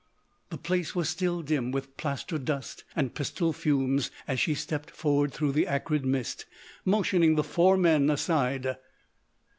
The place was still dim with plaster dust and pistol fumes as she stepped forward through the acrid mist, motioning the four men aside.